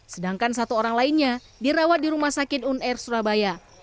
sedangkan satu orang lainnya dirawat di rumah sakit unr surabaya